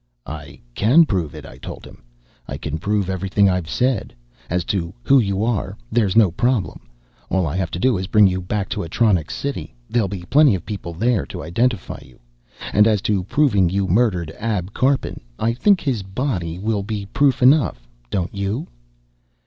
"I can prove it," I told him. "I can prove everything I've said. As to who you are, there's no problem. All I have to do is bring you back to Atronics City. There'll be plenty of people there to identify you. And as to proving you murdered Ab Karpin, I think his body will be proof enough, don't you?"